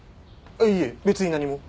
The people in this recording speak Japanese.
いえ別に何も。